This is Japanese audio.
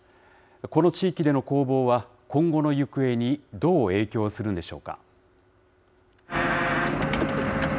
この地域での攻防は今後の行方にどう影響するんでしょうか。